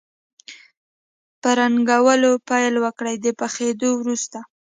په رنګولو پیل وکړئ د پخېدو وروسته.